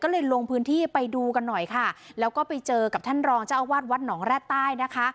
ก็เลยลงพื้นที่ไปดูกันหน่อยค่ะแล้วก็ไปเจอกับท่านรองเจ้าอาวาสวัดหนองแร่ใต้นะคะ